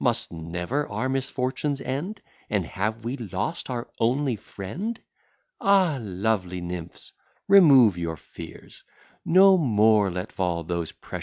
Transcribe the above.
Must never our misfortunes end? And have we lost our only friend? Ah, lovely nymphs! remove your fears, No more let fall those precious tears.